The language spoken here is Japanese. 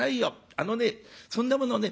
あのねそんなものね